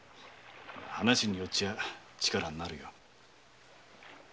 話によっちゃ力になるよ。